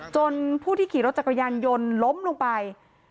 ผู้ที่ขี่รถจักรยานยนต์ล้มลงไป